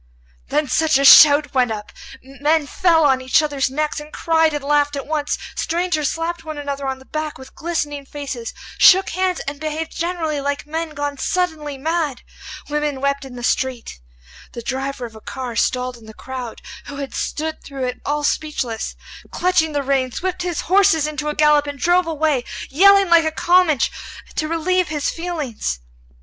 Then such a shout went up! Men fell on each other's necks, and cried and laughed at once. Strangers slapped one another on the back with glistening faces, shook hands, and behaved generally like men gone suddenly mad. Women wept in the street. The driver of a car stalled in the crowd, who had stood through it all speechless, clutching the reins, whipped his horses into a gallop and drove away, yelling like a Comanche, to relieve his feelings.